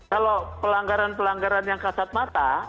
kalau pelanggaran pelanggaran yang kasat mata